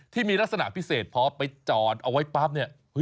ที่มีลักษณะพิเศษพอไปจอดเอาไว้ปั๊บเนี่ย